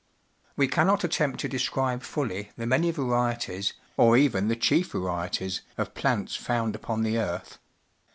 We cannot attempt to describe fully the many varieties, or even the chief varieties, of plants found upon the earth.